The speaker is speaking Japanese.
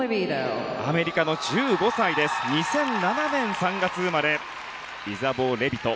アメリカの１５歳２００７年３月生まれイザボー・レビト。